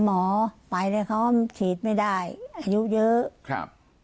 พอไปเลยเขาตอบไม่ได้อายุเยอะ